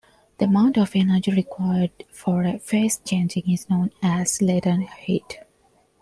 The amount of energy required for a phase change is known as latent heat.